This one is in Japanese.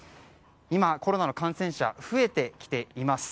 今、コロナの感染者が増えてきています。